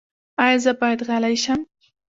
ایا زه باید غلی شم؟